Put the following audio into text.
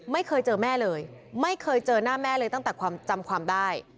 ไม่เคยเจอแม่เลยไม่เคยเจอหน้าแม่เลยตั้งแต่ความจำความได้